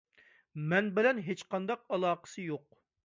مەن بىلەن ھېچقانداق ئالاقىسى يوق.